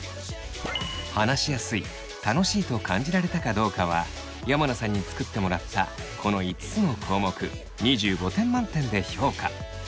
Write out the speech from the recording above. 話しやすい楽しいと感じられたかどうかは山名さんに作ってもらったこの５つの項目２５点満点で評価。